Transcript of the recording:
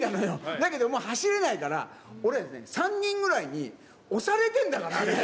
だけどもう走れないから、俺、３人ぐらいに押されてんだから。